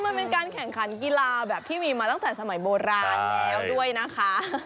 มันเป็นการแข่งขันกีฬาแบบที่มีมาตั้งแต่สมัยโบราณแล้วด้วยนะคะ